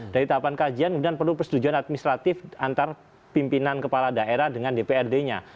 dari tahapan kajian kemudian perlu persetujuan administratif antar pimpinan kepala daerah dengan dprd nya